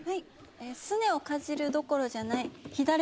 すねをかじるどころじゃない。